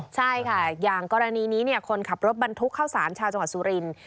ใช่ค่ะอย่างกรณีนี้คนขับรถบรรทุกเข้าสารชาวจังหวัดสุรินทร์